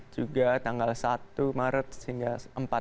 juga tanggal satu maret hingga